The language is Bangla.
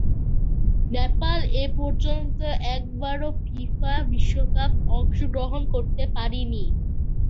নেপাল এপর্যন্ত একবারও ফিফা বিশ্বকাপে অংশগ্রহণ করতে পারেনি।